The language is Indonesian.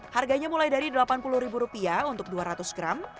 harganya mulai dari rp delapan puluh untuk dua ratus gram